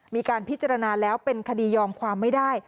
มีการพิจารณาแล้วเป็นคดียอมความไม่ได้